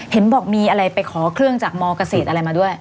เห็นบอกมีอะไรไปขอเครื่องจากมเกษตรอะไรมาด้วย